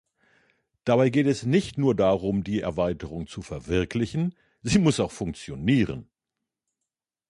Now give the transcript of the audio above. Dabei geht es nicht nur darum, die Erweiterung zu verwirklichen, sie muss auch funktionieren.